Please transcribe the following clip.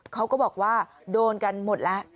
เขาก็บอกว่าโดนกันหมดแล้ว